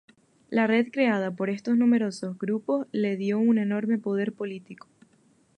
La red creada por estos numerosos grupos le dio un enorme poder político.